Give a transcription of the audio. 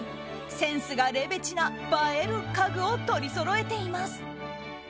センスがレベチな映える家具を取りそろえています。